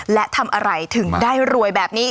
และทำอะไรถึงได้รวยแบบนี้